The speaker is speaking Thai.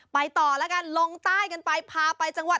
ไปต่อแล้วกันลงใต้กันไป